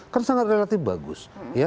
kan sangat relatif bagus